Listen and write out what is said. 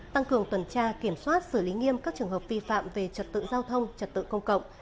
tăng cường tuần tra kiểm soát xử lý nghiêm các trường hợp vi phạm về trật tự giao thông trật tự công cộng